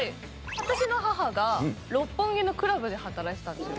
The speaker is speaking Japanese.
私の母が六本木のクラブで働いてたんですよ。